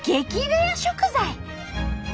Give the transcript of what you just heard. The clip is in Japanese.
レア食材！